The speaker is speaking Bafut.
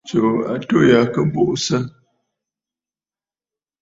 Tsuu atû ya kɨ buʼusə.